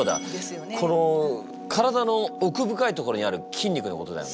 この体の奥深いところにある筋肉のことだよな。